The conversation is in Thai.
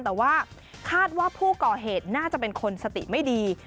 แต่ว่าคาดว่าผู้ก่อเหตุน่าจะเป็นคนสติไม่ดี